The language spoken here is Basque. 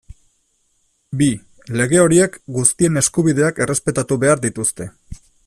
Bi, lege horiek guztien eskubideak errespetatu behar dituzte.